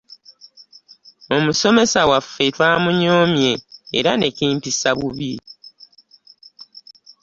Omusomesa waffe twamunyomye era nekimpisa bubi .